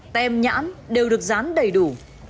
tem nhãn đều được dán đầy đủ